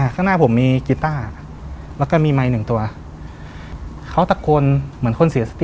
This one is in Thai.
ข้างหน้าผมมีกีต้าแล้วก็มีไมค์หนึ่งตัวเขาตะโกนเหมือนคนเสียสติ